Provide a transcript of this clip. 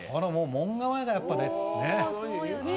門構えがやっぱりね。